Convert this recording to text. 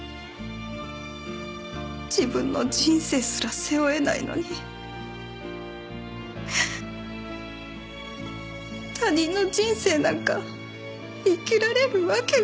自分の人生すら背負えないのに他人の人生なんか生きられるわけがなかった。